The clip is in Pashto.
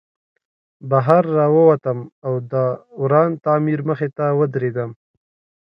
بهر راووتم او د وران تعمیر مخې ته ودرېدم